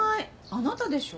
あなたでしょ？